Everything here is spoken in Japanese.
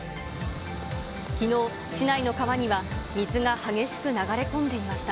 きのう、市内の川には水が激しく流れ込んでいました。